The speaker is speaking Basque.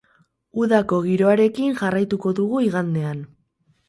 Udako giroarekin jarraituko dugu igandean.